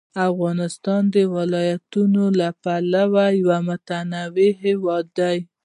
افغانستان د ولایتونو له پلوه یو متنوع هېواد دی.